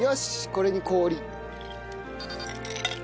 これに氷。